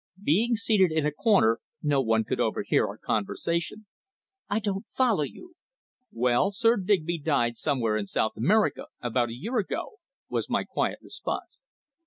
Being seated in a corner, no one could overhear our conversation. "I don't follow you!" "Well, Sir Digby died somewhere in South America about a year ago," was my quiet response.